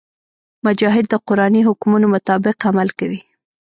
مجاهد د قرآني حکمونو مطابق عمل کوي.